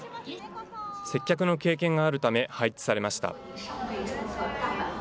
接客の経験があるため配置されました。